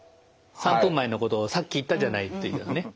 ３分前のことをさっき言ったじゃないというね。